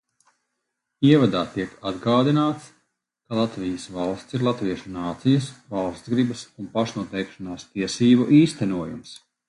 Ievadā tiek atgādināts, ka Latvijas valsts ir latviešu nācijas, valstsgribas un pašnoteikšanās tiesību īstenojums.